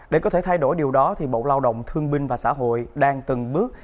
để có thể thay đổi điều đó bộ lao động thương binh và xã hội đang từng bước